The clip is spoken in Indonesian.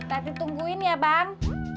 nanti tungguin ya bang